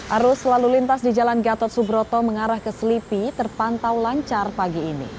arus lalu lintas di jalan gatot subroto mengarah ke selipi terpantau lancar pagi ini